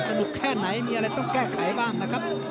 แค่ไหนมีอะไรต้องแก้ไขบ้างนะครับ